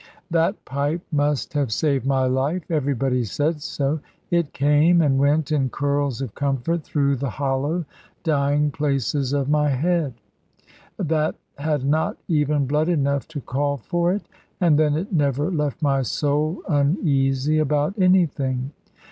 That pipe must have saved my life. Everybody said so. It came and went in curls of comfort through the hollow dying places of my head, that had not even blood enough to call for it; and then it never left my soul uneasy about anything.